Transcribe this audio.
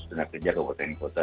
dan kejar ke kota kota